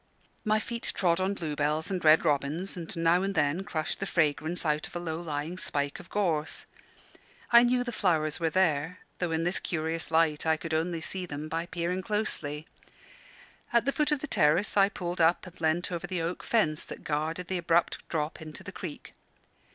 My feet trod on bluebells and red robins, and now and then crushed the fragrance out of a low lying spike of gorse. I knew the flowers were there, though in this curious light I could only see them by peering closely. At the foot of the terrace I pulled up and leant over the oak fence that guarded the abrupt drop into the creek.